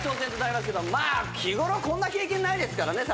日ごろこんな経験ないですからね